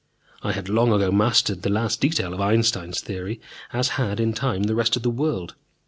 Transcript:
I had long ago mastered the last detail of Einstein's theory, as had, in time, the rest of the world.